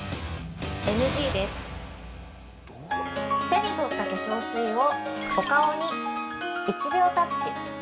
手に取った化粧水をお顔に１秒タッチ。